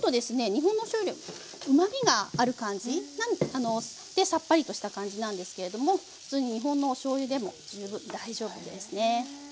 日本のしょうゆよりうまみがある感じでさっぱりとした感じなんですけれども普通に日本のおしょうゆでも十分大丈夫ですね。